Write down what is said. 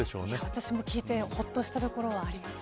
私も聞いて、ほっとしたところはあります。